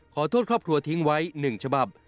ขอโทษครอบครัวทิ้งไว้๑ฉบับ